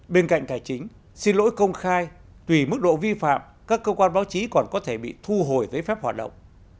bên cạnh cải trính xin lỗi công khai tùy mức độ vi phạm các cơ quan báo chí còn có thể bị thu hồi với phép hoạt động